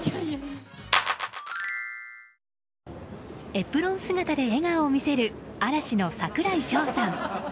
エプロン姿で笑顔を見せる嵐の櫻井翔さん。